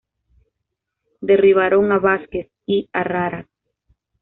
Derribaron a Vázquez y Arrarás.